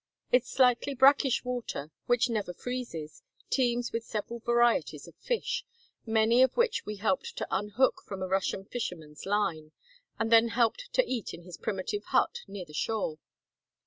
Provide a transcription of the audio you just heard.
Its slightly brackish water, which never freezes, teems with several varieties of fish, many of which we helped to unhook from a Russian fisherman's line, and then helped to eat in his primitive hut near the shore.